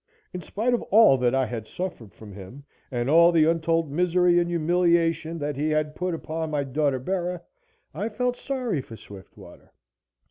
In spite of all that I had suffered from him, and all the untold misery and humiliation that he had put upon my daughter Bera, I felt sorry for Swiftwater.